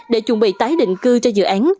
để chuẩn bị tái định cư cho dự án